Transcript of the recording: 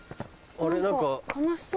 あれ何か。